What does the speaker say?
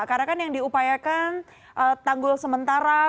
karena kan yang diupayakan tanggul sementara